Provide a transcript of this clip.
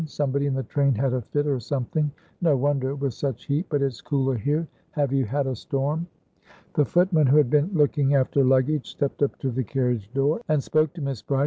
Somebody in the train had a fit, or somethingno wonder, with such heat! But it's cooler here. Have you had a storm?" The footman, who had been looking after luggage, stepped up to the carriage door and spoke to Miss Bride.